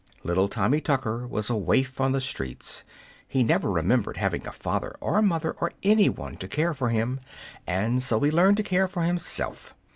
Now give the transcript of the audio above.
LITTLE TOMMY TUCKER was a waif of the streets. He never remembered having a father or mother or any one to care for him, and so he learned to care for himself.